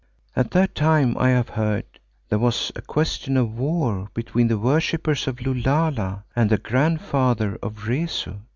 "At that time I have heard there was a question of war between the worshippers of Lulala and the grandfather of Rezu.